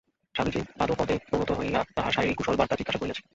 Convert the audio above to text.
স্বামীজীর পাদপদ্মে প্রণত হইয়া তাঁহার শারীরিক কুশলবার্তা জিজ্ঞাসা করিয়াছে।